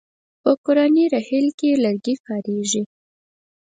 په قرآني رحل کې لرګی کاریږي.